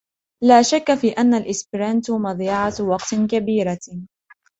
لا شك في أن الإسبرانتو مضيعة وقت كبيرة.